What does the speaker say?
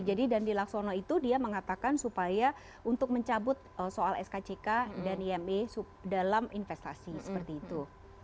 jadi dandi laksono itu dia mengatakan supaya untuk mencabut soal skck dan ime dalam investasi seperti itu